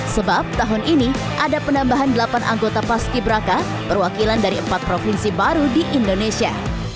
sebab tahun ini ada penambahan delapan anggota paski braka perwakilan dari empat provinsi baru di indonesia